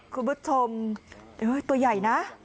คุณผู้ชมตัวใหญ่นะ